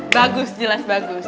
bagus jelas bagus